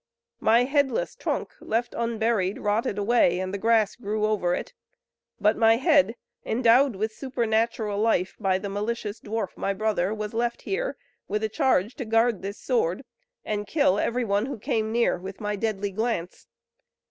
"My headless trunk, left unburied, rotted away, and the grass grew over it; but my head, endowed with supernatural life by the malicious dwarf, my brother, was left here, with charge to guard this sword, and kill every one who came near with my deadly glance.